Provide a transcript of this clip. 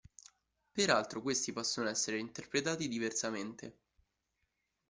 Per altro questi possono essere interpretati diversamente.